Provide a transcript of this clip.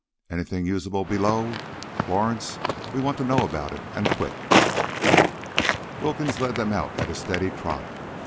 "Anything usable below Florence ... we want to know about it, and quick!" Wilkins led them out at a steady trot.